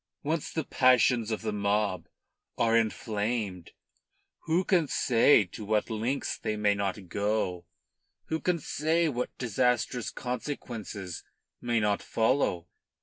Once the passions of the mob are inflamed, who can say to what lengths they may not go, who can say what disastrous consequences may not follow?